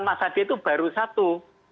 nah sekarang mas hadi itu baru satu